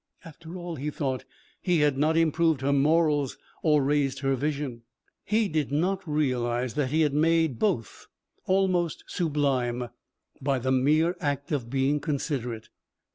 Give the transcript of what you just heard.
After all, he thought, he had not improved her morals or raised her vision. He did not realize that he had made both almost sublime by the mere act of being considerate.